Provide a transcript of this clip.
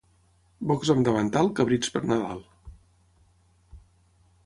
Bocs amb davantal, cabrits per Nadal.